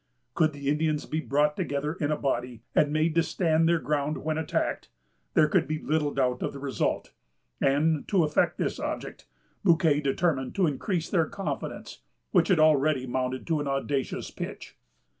Could the Indians be brought together in a body, and made to stand their ground when attacked, there could be little doubt of the result; and, to effect this object, Bouquet determined to increase their confidence, which had already mounted to an audacious pitch.